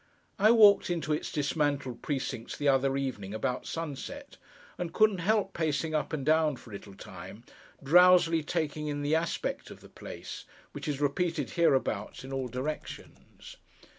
I walked into its dismantled precincts the other evening about sunset, and couldn't help pacing up and down for a little time, drowsily taking in the aspect of the place: which is repeated hereabouts in all directions.